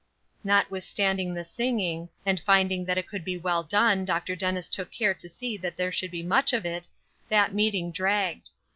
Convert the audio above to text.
Notwithstanding the singing, and finding that it could be well done, Dr. Dennis took care to see that there should be much of it, that meeting dragged.